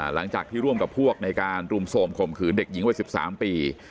หลังจากที่ร่วมกับพวกในการรุมโทรมข่มขืนเด็กหญิงวัย๑๓ปี